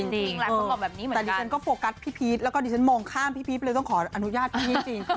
แต่ดิฉันก็โปรกัสพี่พีชแล้วก็ดิฉันมองข้ามพี่พีชไปเลยต้องขออนุญาตพี่จริง